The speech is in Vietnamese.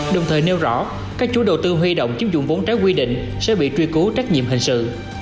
đồng thời nêu rõ các chủ đầu tư huy động chiếm dụng vốn trái quy định sẽ bị truy cứu trách nhiệm hình sự